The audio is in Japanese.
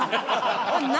何？